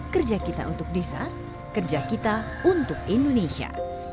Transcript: kerja kita untuk desa kerja kita untuk indonesia